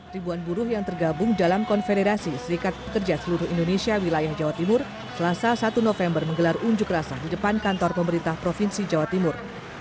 ribuan buruh yang tergabung dalam konfederasi serikat pekerja seluruh indonesia wilayah jawa timur selasa satu november menggelar unjuk rasa di depan kantor pemerintah provinsi jawa timur